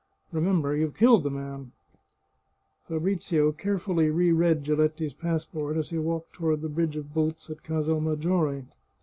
Remember you've killed the man !" Fabrizio carefully reread Giletti's passport as he walked toward the bridge of boats at Casal Maggiore.